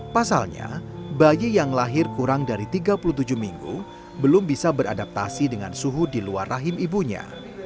pasalnya bayi yang lahir kurang dari tiga puluh tujuh minggu belum bisa beradaptasi dengan suhu di luar rahim ibunya